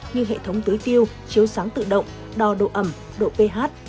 như hệ thống tưới tiêu chiếu sáng tự động đo độ ẩm độ ph